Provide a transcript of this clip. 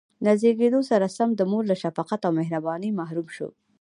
له زېږېدو سره سم د مور له شفقت او مهربانۍ محروم شو.